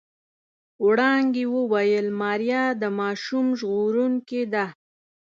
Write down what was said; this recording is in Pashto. وړانګې وويل ماريا د ماشوم ژغورونکې ده.